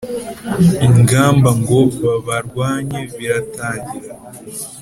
Ingamba ngo babarwanye biratangira